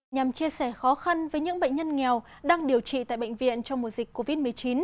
nhằm chia sẻ khó khăn với những bệnh nhân nghèo đang điều trị tại bệnh viện trong mùa dịch covid một mươi chín